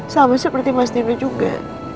sama seperti mas didi juga